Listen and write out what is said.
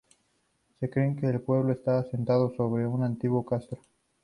Se cree que el pueblo está asentado sobre un antiguo castro.